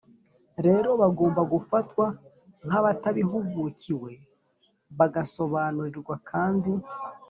rero bagomba gufatwa nk’abatabihugukiwe, bagasobanurirwa kandi